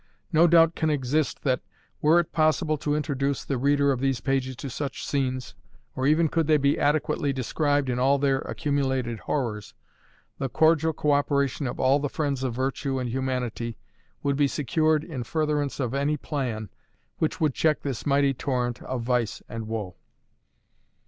No doubt can exist that, were it possible to introduce the reader of these pages to such scenes, or even could they be adequately described in all their accumulated horrors, the cordial co operation of all the friends of virtue and humanity would be secured in furtherance of any plan which would check this mighty torrent of vice and woe.